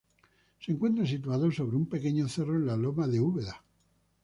Se encuentra situado sobre un pequeño cerro en la loma de Úbeda.